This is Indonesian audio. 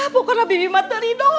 bukanlah bibi matahari doa